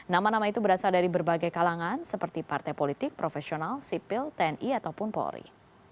nama nama itu berasal dari berbagai kalangan seperti partai politik profesional sipil tni ataupun polri